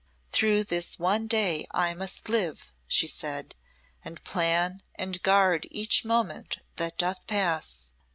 "Through this one day I must live," she said, "and plan, and guard each moment that doth pass.